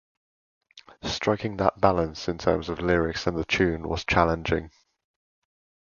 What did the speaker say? Striking that balance in terms of lyrics and the tune was challenging.